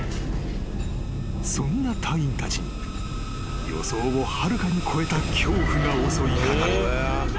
［そんな隊員たちに予想をはるかに超えた恐怖が襲い掛かる］